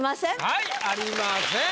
はいありません。